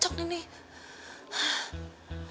mendingan aku tanya sama boy